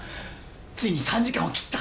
ついに３時間を切った！